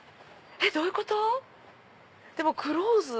どういうこと⁉でもクローズ。